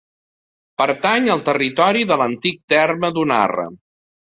Pertany al territori de l'antic terme d'Unarre.